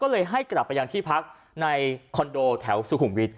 ก็เลยให้กลับไปยังที่พักในคอนโดแถวสุขุมวิทย